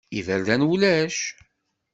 Iberdan ulac.